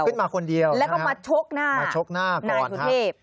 บุกขึ้นมาคนเดียวแล้วก็มาชกหน้ามาชกหน้าก่อนครับ